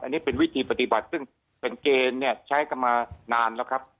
อันนี้เป็นวิธีปฏิบัติซึ่งเป็นเกณฑ์เนี่ยใช้กันมานานแล้วครับ